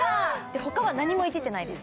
他は何もいじってないです